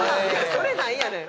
それなんやねん。